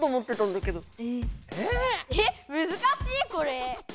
えっむずかしいこれ。